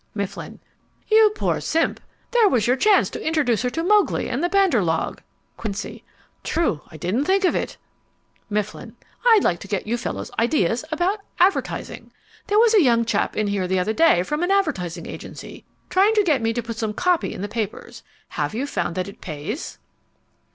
MIFFLIN You poor simp, there was your chance to introduce her to Mowgli and the bandar log. QUINCY True I didn't think of it. MIFFLIN I'd like to get you fellows' ideas about advertising. There was a young chap in here the other day from an advertising agency, trying to get me to put some copy in the papers. Have you found that it pays?